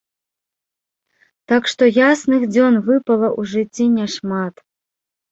Так што ясных дзён выпала ў жыцці няшмат.